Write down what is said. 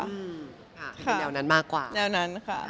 เป็นแนวนั้นมากกว่า